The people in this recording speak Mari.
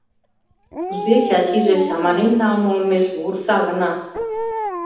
Кузе Чачиже чаманен налме олмеш вурса гына...